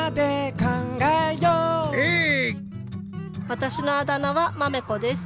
わたしのあだ名は「まめ子」です。